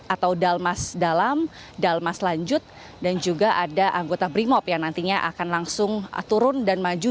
atau dalmas dalam dalmas lanjut dan juga ada anggota brimop yang nantinya akan langsung turun dan maju